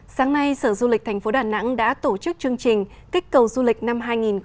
sáng nay sở du lịch thành phố đà nẵng đã tổ chức chương trình kích cầu du lịch năm hai nghìn hai mươi